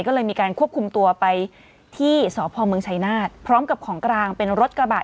ก็เลยมีการควบคุมตัวไปที่สพเมืองชายนาฏพร้อมกับของกลางเป็นรถกระบะ